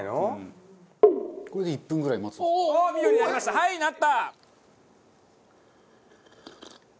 はいなった！